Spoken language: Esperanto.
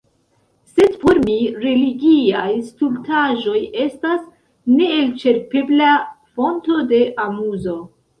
Sed por mi religiaj stultaĵoj estas neelĉerpebla fonto de amuzo.